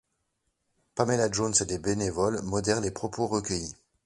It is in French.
Pamela Jones et des bénévoles modèrent les propos recueillis.